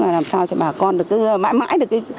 làm sao cho bà con được cứ mãi mãi